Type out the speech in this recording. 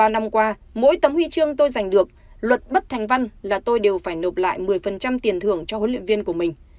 ba mươi năm năm qua mỗi tấm huy chương tôi giành được luật bất thành văn là tôi đều phải nộp lại một mươi tiền thưởng cho huấn luyện viên của mình